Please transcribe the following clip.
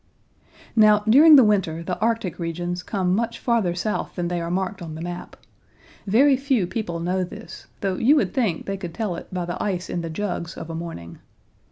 Now, during the winter the Arctic regions come much farther south than they are marked on the map. Very few people know this, though you would think they could tell it by the ice in the jugs of a morning.